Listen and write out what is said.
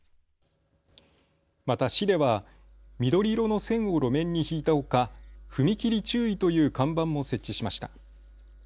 また市では緑色の線を路面に引いたほか踏切注意という看板も設置しました。